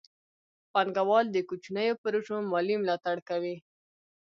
پانګه وال د کوچنیو پروژو مالي ملاتړ کوي.